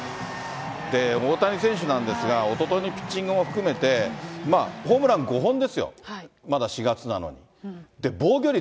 大谷選手なんですが、おとといのピッチングも含めて、ホームラン５本ですよ、まだ４月なのに。